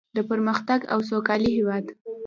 د پرمختګ او سوکالۍ هیواد.